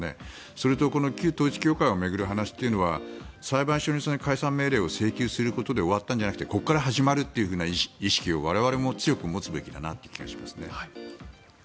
それとこの旧統一教会を巡る話というのは裁判所に解散命令を請求することで終わったんじゃなくてここから始まるという意識も我々も強く持つべきだなという気がします。